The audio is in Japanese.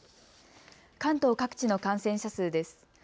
関東各地の感染者数です。